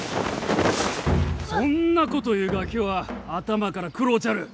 そんなこと言うガキは頭から食ろうちゃる！